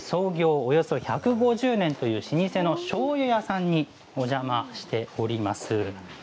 およそ１５０年という老舗のしょうゆ屋さんにお邪魔しております。